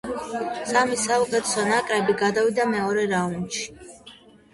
სამი საუკეთესო ნაკრები გადავიდა მეორე რაუნდში.